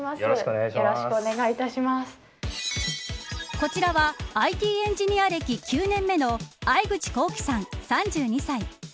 こちらはＩＴエンジニア歴９年目の藍口康希さん、３２歳。